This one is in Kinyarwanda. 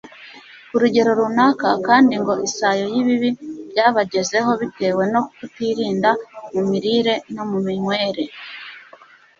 ku rugero runaka, kandi ngo isayo y'ibibi byabagezeho bitewe no kutirinda mu mirire no mu minywere